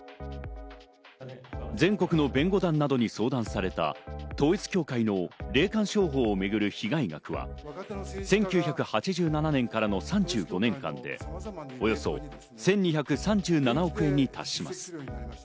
全国の弁護団などに相談された、統一教会の霊感商法をめぐる被害額は、１９８７年からの３５年間でおよそ１２３７億円に達します。